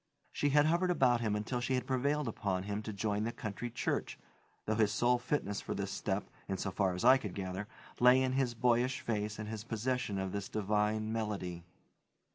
She had hovered about him until she had prevailed upon him to join the country church, though his sole fitness for this step, insofar as I could gather, lay in his boyish face and his possession of this divine melody.